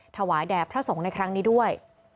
ถวายแด่พระสงฆ์ในครั้งนี้ด้วย